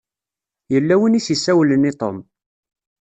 Yella win i s-isawlen i Tom.